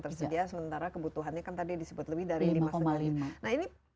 tersedia sementara kebutuhannya kan tadi disebut lebih dari lima puluh lima nah ini